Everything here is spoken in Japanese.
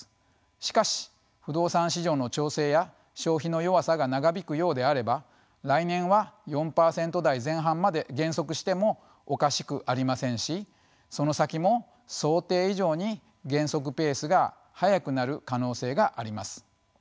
しかし不動産市場の調整や消費の弱さが長引くようであれば来年は４％台前半まで減速してもおかしくありませんしその先も想定以上に減速ペースが速くなる可能性があります。